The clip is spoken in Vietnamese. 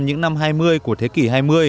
những năm hai mươi của thế kỷ hai mươi